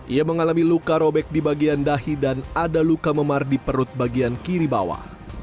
ia mengalami luka robek di bagian dahi dan ada luka memar di perut bagian kiri bawah